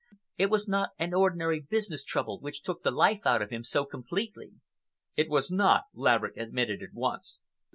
It was not an ordinary business trouble which took the life out of him so completely." "It was not," Laverick admitted at once.